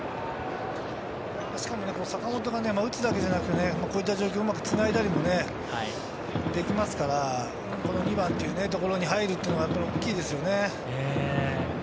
しかも坂本が打つだけじゃなく、こういった状況、うまくつないだりもできますから、この２番っていうところに入るっていうのは大きいですよね。